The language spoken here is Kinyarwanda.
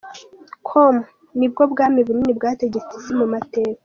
com, ni bwo bwami bunini bwategetse isi mu mateka .